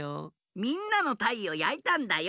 みんなの「たい」をやいたんだよ。